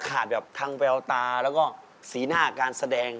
แบบทั้งแววตาแล้วก็สีหน้าการแสดง